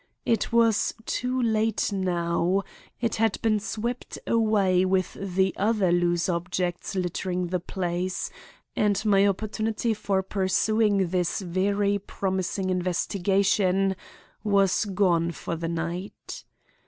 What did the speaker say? It was too late now. It had been swept away with the other loose objects littering the place, and my opportunity for pursuing this very promising investigation was gone for the night.